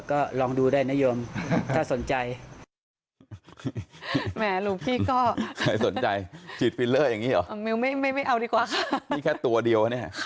ก็ลองดูได้นะโยมถ้าสนใจ